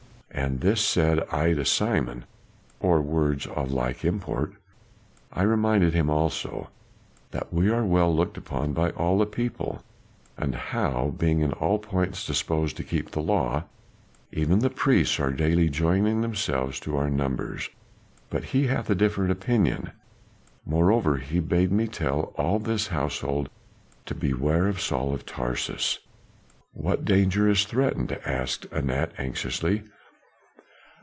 And this said I to Simon or words of like import. I reminded him also that we are well looked upon by all the people, and how being in all points disposed to keep the law even the priests are daily joining themselves to our numbers. But he hath a different opinion; moreover, he bade me tell all of this household to beware Saul of Tarsus." "What danger is threatened?" asked Anat, anxiously.